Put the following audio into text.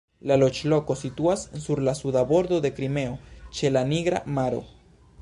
La loĝloko situas sur la Suda Bordo de Krimeo ĉe la Nigra maro.